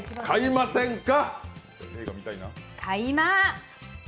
買いません！